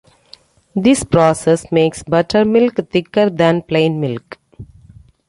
This process makes buttermilk thicker than plain milk.